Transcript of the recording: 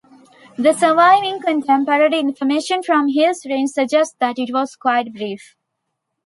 The surviving contemporary information from his reign suggests that it was quite brief.